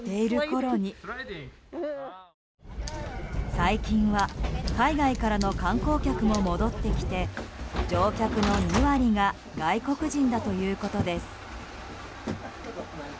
最近は海外からの観光客も戻ってきて乗客の２割が外国人だということです。